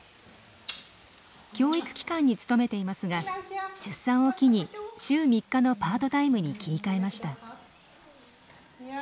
教育機関に勤めていますが出産を機に週３日のパートタイムに切り替えました。